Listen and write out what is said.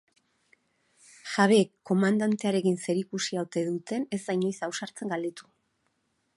Jabeek komandantearekin zerikusia ote duten ez da inoiz ausartzen galdetu.